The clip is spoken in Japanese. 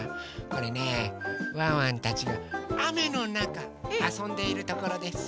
これねワンワンたちがあめのなかあそんでいるところです。